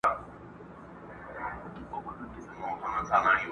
o دا گز، دا ميدان٫